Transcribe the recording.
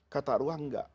kata urwah enggak